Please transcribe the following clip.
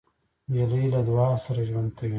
نجلۍ له دعا سره ژوند کوي.